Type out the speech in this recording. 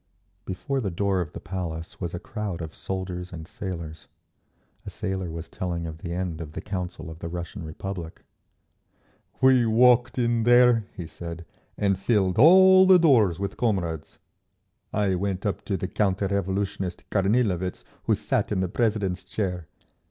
Before the door of the Palace was a crowd of soldiers and sailors. A sailor was telling of the end of the Council of the Russian Republic. "We walked in there," he said, "and filled all the doors with comrades. I went up to the counter revolutionist Kornilovitz who sat in the president's chair.